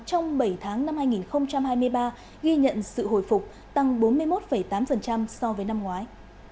trong bảy tháng năm hai nghìn hai mươi ba ghi nhận sự hồi phục tăng bốn mươi một tám so với năm ngoái